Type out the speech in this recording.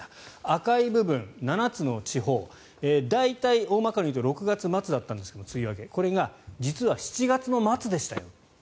赤い部分、７つの地方大体、大まかにいうと６月末だったんですがこれが実は７月の末でしたよと。